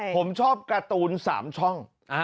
ผมชอบการ์ตูน๓ช่อง